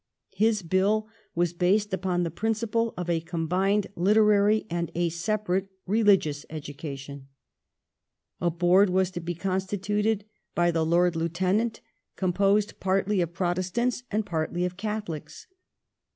His Bill was based upon the principle of " a comi3ined literary and a separate religious education ". A Board was to be constituted by the Lord Lieutenant, composed partly of Protestants and partly of Catholics.